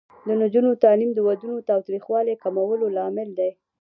د نجونو تعلیم د ودونو تاوتریخوالي کمولو لامل دی.